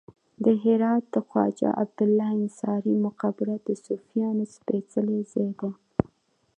د هرات د خواجه عبدالله انصاري مقبره د صوفیانو سپیڅلی ځای دی